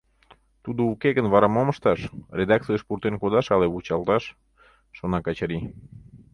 «Тудо уке гын, вара мом ышташ: редакцийыш пуртен кодаш але вучалташ?» — шона Качырий.